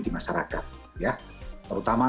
di masyarakat terutama